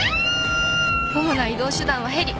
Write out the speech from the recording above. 主な移動手段はヘリ。